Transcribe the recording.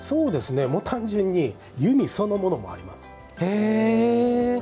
単純に弓そのものもあります。